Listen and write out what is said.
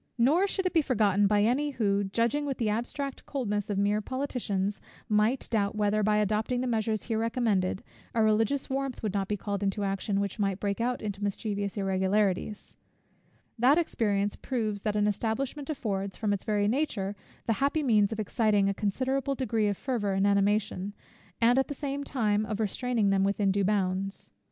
Nor should it be forgotten by any who, judging with the abstract coldness of mere politicians, might doubt whether, by adopting the measures here recommended, a religious warmth would not be called into action, which might break out into mischievous irregularities; that experience proves that an establishment affords, from its very nature, the happy means of exciting a considerable degree of fervour and animation, and at the same time of restraining them within due bounds.